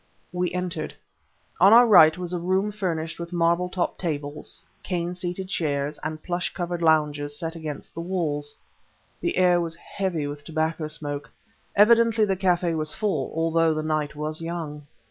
We entered. On our right was a room furnished with marble topped tables, cane seated chairs and plush covered lounges set against the walls. The air was heavy with tobacco smoke; evidently the café was full, although the night was young.